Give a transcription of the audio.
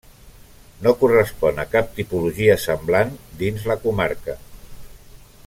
No correspon a cap tipologia semblant dins la comarca.